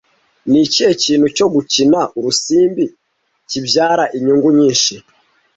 nikihe kintu cyo gukina urusimbi kibyara inyungu nyinshi